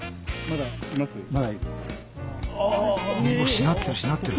しなってるしなってる。